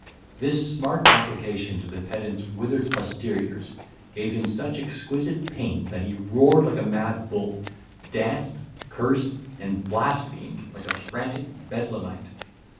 This smart application to the pedant's withered posteriors gave him such exquisite pain that he roared like a mad bull, danced, cursed, and blasphemed, like a frantic bedlamite.